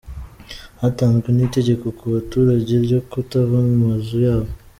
Hatanzwe n’itegeko ku baturage ryo kutava mu mazu yabo.